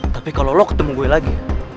tapi kalau lo ketemu gue lagi